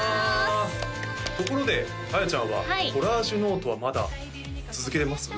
ところであやちゃんはコラージュノートはまだ続けてます？